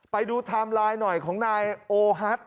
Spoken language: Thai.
ไทม์ไลน์หน่อยของนายโอฮัท